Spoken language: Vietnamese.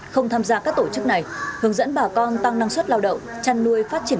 không tham gia các tổ chức này hướng dẫn bà con tăng năng suất lao động chăn nuôi phát triển